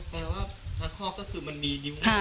อ๋อแปลว่าทั้งข้อก็คือมันมีนิ้วเหมือนกันค่ะ